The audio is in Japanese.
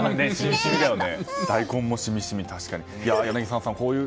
大根もしみしみ、確かに。